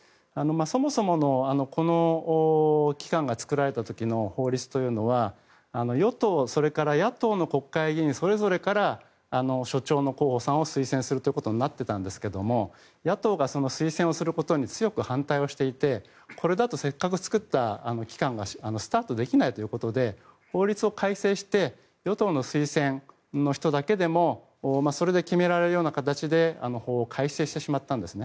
そもそものこの機関が作られた時の法律というのは与党、それから野党の国会議員のそれぞれから処長の候補者を推薦することになっていたんですが野党が推薦することに強く反対していてこれだとせっかく作った機関がスタートできないということで法律を改正して与党の推薦の人だけでもそれで決められるような形で法を改正してしまったんですね。